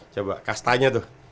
coba kasih tanya tuh